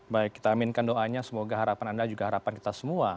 baik kita aminkan doanya semoga harapan anda juga harapan kita semua